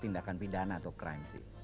tindakan pidana atau crime